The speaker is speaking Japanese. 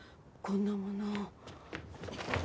こんなもの。